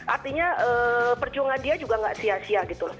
artinya perjuangan dia juga nggak sia sia gitu loh